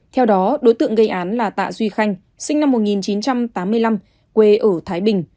theo đó đối tượng gây án là tạ duy khanh sinh năm một nghìn chín trăm tám mươi năm quê ở thái bình